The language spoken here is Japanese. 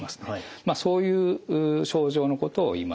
まあそういう症状のことを言います。